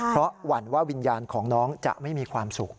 เพราะหวั่นว่าวิญญาณของน้องจะไม่มีความสุข